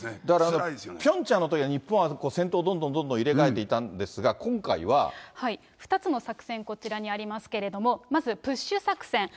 だからピョンチャンのときは、日本は先頭どんどんどんどん入れ２つの作戦、こちらにありますけれども、まずプッシュ作戦。